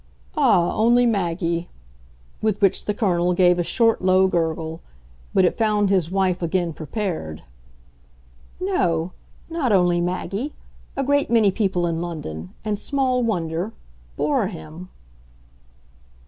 "Ah, only Maggie!" With which the Colonel gave a short low gurgle. But it found his wife again prepared. "No not only Maggie. A great many people in London and small wonder! bore him."